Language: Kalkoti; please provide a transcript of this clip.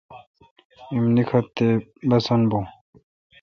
ایم نیکتھ تے باسن بھو۔